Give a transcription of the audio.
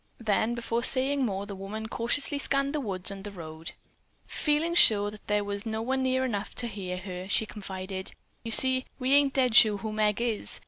Then, before saying more, the woman cautiously scanned the woods and the road. Feeling sure that there was no one near enough to hear her, she confided: "You see, we ain't dead sure who Meg is.